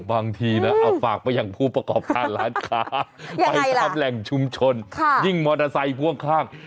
บางทีนะเอาฝากไปอย่างผู้ประกอบค่าร้านค้า